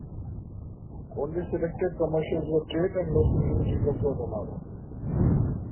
Only selected commercials were played and no singing jingles were allowed.